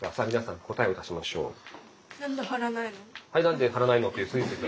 みなさん答えを出しましょう。